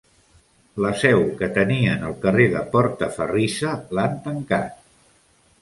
La seu que tenien al carrer de Portaferrissa l'han tancat.